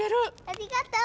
ありがとう！